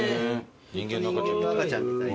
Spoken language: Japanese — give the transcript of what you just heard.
人間の赤ちゃんみたい。